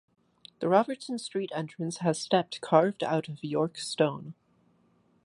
The Robertson Street entrance has steps carved out of York Stone.